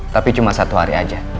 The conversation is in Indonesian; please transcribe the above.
tapi cuma satu hari aja